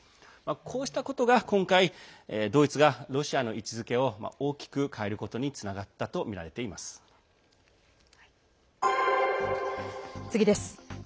こうしたことが今回、ドイツがロシアの位置づけを大きく変えることにつながったと次です。